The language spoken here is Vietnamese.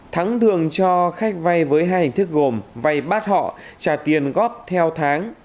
thắng thường cho khách vay với hai hình thức gồm vay bát họ trả tiền góp theo tháng